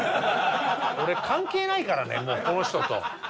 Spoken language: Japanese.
俺関係ないからねもうこの人と。